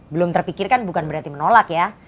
belum terpikir kan bukan berarti menolak ya